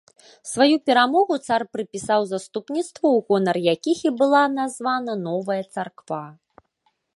Сваю перамогу цар прыпісаў заступніцтву у гонар якіх і была названа новая царква.